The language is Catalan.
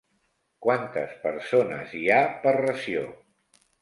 Quantes persones hi ha per ració?